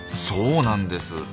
そうなんです。